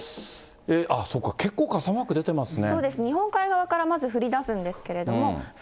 ああ、そうか、結構傘マーク出てますね。